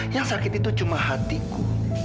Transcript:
yang sakit itu cuma hatiku